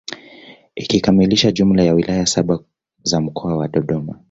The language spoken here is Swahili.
Ikikamilisha jumla ya wilaya saba za mkoa wa Dodoma